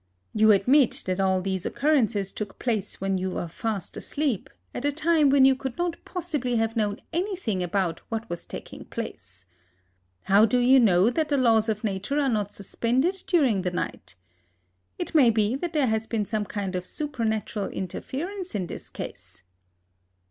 You admit that all these occurrences took place when you were fast asleep, at a time when you could not possibly have known anything about what was taking place. How do you know that the laws of Nature are not suspended during the night? It may be that there has been some kind of supernatural interference in this case."